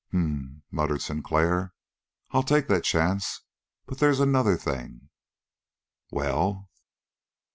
"H'm," muttered Sinclair. "I'll take that chance, but they's another thing." "Well?"